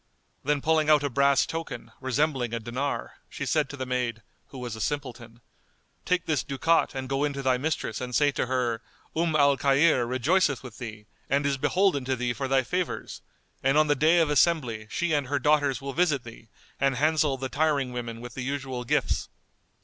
Then pulling out a brass token, resembling a dinar, she said to the maid, who was a simpleton, "Take this ducat and go in to thy mistress and say to her, 'Umm al Khayr rejoiceth with thee and is beholden to thee for thy favours, and on the day of assembly she and her daughters will visit thee and handsel the tiring women with the usual gifts.